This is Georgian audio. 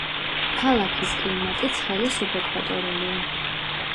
ქალაქის კლიმატი ცხელი სუბეკვატორულია.